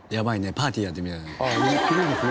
パーティーやってるみたいだね。